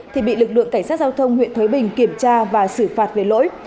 thì bị lực lượng cảnh sát giao thông huyện thới bình kiểm tra và xử phạt về lỗi